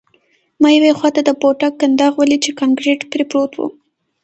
ما یوې خواته د ټوپک کنداغ ولید چې کانکریټ پرې پروت و